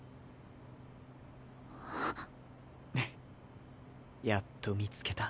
フッやっと見つけた。